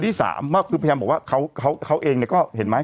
ที่สามก็คือพยายามบอกว่าเขาเองเนี่ยก็เห็นไหม